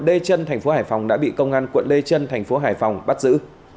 lực lượng đê chân tp hcm đã bị công an quận đê chân tp hcm bắt giữ